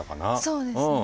そうですね。